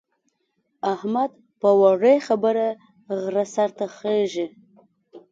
احمد په وړې خبره غره سر ته خېژي.